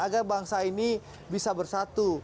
agar bangsa ini bisa bersatu